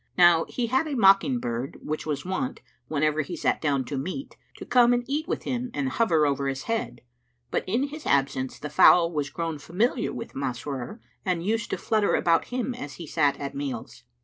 Now he had a mockingbird which was wont, whenever he sat down to meat, to come and eat with him and hover over his head; but in his absence the fowl was grown familiar with Masrur and used to flutter about him as he sat at meals.